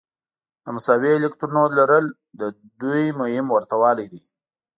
د مساوي الکترونونو لرل د دوی مهم ورته والی دی.